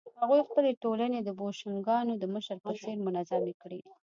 هغوی خپلې ټولنې د بوشونګانو د مشر په څېر منظمې کړې.